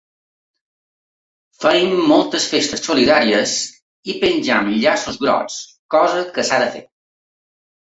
Fem moltes festes solidàries, i pengem llaços grocs, cosa que s’ha de fer.